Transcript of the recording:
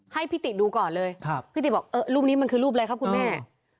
ให้พี่ติดูก่อนเลยพี่ติบอกรูปนี้มันคือรูปอะไรครับคุณแม่